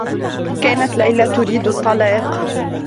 كانت ليلى تريد الطّلاق.